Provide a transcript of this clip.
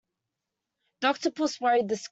The octopus worried the squid.